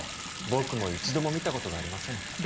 僕も一度も見たことがありません。